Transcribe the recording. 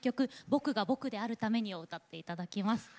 「僕が僕であるために」を歌っていただきます。